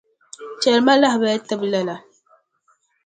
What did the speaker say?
Chɛli ma lahabali tibu lala.